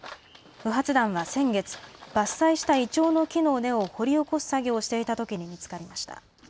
不発弾は先月、伐採したイチョウの木の根を掘り起こす作業をしていたときに見つかりました。